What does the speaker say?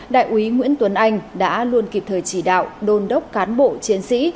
đại úy nguyễn tuấn anh đã luôn kịp thời chỉ đạo đôn đốc cán bộ chiến sĩ